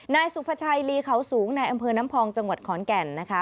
นายสุภาชัยลีเขาสูงในอำเภอน้ำพองจังหวัดขอนแก่นนะคะ